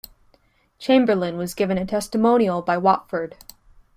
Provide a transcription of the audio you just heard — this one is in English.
Chamberlain was given a testimonial by Watford.